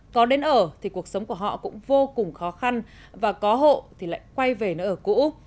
có đến ở thì cuộc sống của họ cũng vô cùng khó khăn và có hộ thì lại quay về nơi ở cũ